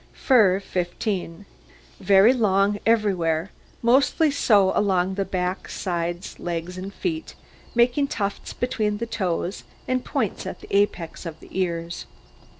FUR 15 Very long everywhere; mostly so along the back, sides, legs, and feet, making tufts between the toes, and points at the apex of the ears.